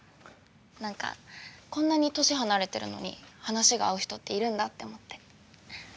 何かこんなに年離れてるのに話が合う人っているんだって思って。